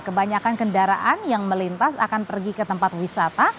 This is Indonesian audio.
kebanyakan kendaraan yang melintas akan pergi ke tempat wisata